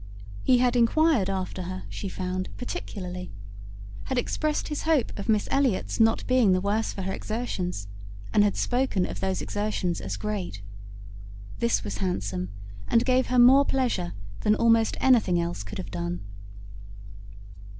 He had enquired after her, she found, particularly; had expressed his hope of Miss Elliot's not being the worse for her exertions, and had spoken of those exertions as great. This was handsome, and gave her more pleasure than almost anything else could have done.